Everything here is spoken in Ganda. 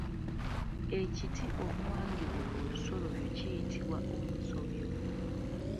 Ekiti omuwangibwa olusolobyo kiyitibwa Omusobyo.